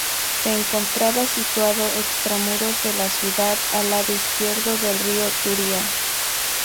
Se encontraba situado extramuros de la ciudad, al lado izquierdo del río Turia.